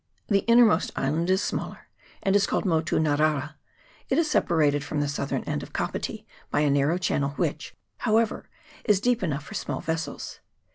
The innermost island is smaller, and is called Motu Narara; it is separated from the southern end of Kapiti by a narrow channel, which, however, is deep enough for small vessels.